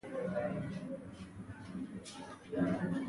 غول د سالم ژوند ګواه دی.